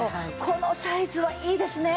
このサイズはいいですね。